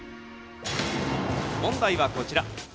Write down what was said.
問題はこちら。